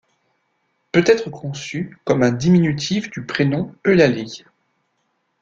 Peut être conçu comme un diminutif du prénom Eulalie.